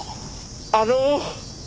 あの。